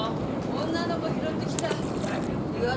女の子拾ってきたえっ？